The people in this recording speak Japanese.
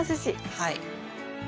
はい。